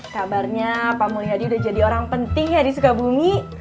kabarnya pak mulia di udah jadi orang penting ya di sugabungi